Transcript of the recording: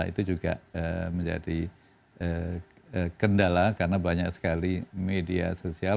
itu juga menjadi kendala karena banyak sekali media sosial